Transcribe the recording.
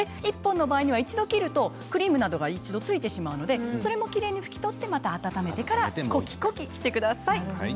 １本の場合には一度切るとクリームなどが一度ついてしまうのでそれもきれいに拭き取ってまた温めてからコキコキしてください。